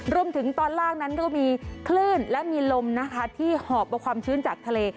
รวมถึงตอนล่างนั้นก็มีคลื่นและมีลมนะคะที่หอบเอาความชื้นจากทะเล